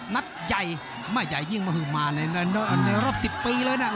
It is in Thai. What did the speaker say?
นัดใหญ่ไม่ใหญ่ยิ่งมหือมาในรอบ๑๐ปีเลยนะ